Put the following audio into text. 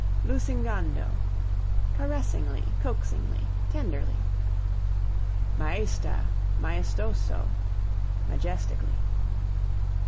Lusingando caressingly, coaxingly, tenderly. Maesta, maestoso majestically.